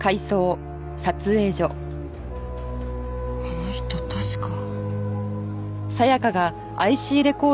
あの人確か。